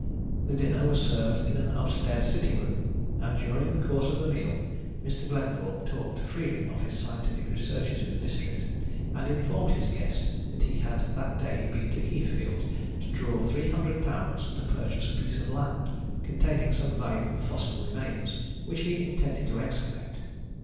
The dinner was served in an upstairs sitting room, and during the course of the meal Mr. Glenthorpe talked freely of his scientific researches in the district, and informed his guest that he had that day been to Heathfield to draw £300 to purchase a piece of land containing some valuable fossil remains which he intended to excavate.